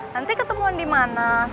nanti ketemu iwan di mana